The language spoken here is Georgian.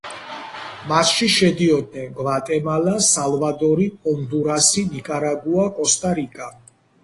მასში შედიოდნენ გვატემალა, სალვადორი, ჰონდურასი, ნიკარაგუა, კოსტა-რიკა.